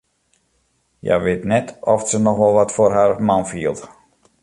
Hja wit net oft se noch wol wat foar har man fielt.